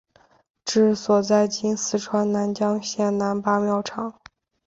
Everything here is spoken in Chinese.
治所在今四川南江县南八庙场。